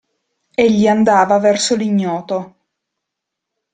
Egli andava verso l'ignoto.